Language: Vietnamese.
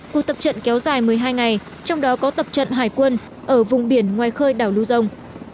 cuộc tập trận kéo dài một mươi hai ngày trong đó có tập trận hải quân ở vùng biển ngoài khơi đảo luzon